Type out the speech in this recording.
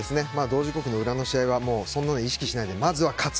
同時刻の裏の試合はそんなの意識しないでまずは勝つ。